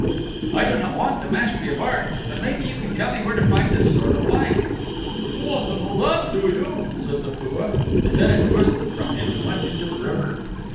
"I do not want the mastery of arts, but maybe you can tell me where to find the Sword of Light." "You want to know that do you?" said the Fua, and then it twisted from him and went into the river.